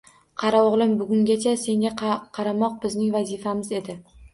— Qara o'g'lim, bugungacha senga qaramoq bizning vazifamiz edi.